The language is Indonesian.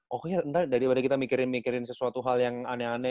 pokoknya ntar daripada kita mikirin mikirin sesuatu hal yang aneh aneh